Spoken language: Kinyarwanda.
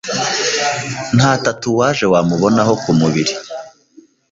Nta tatuwaje wamubonaho ku mubiri